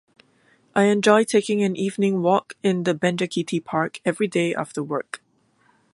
i enjoy taking an evening walk in the Benjakitti Park every day after work.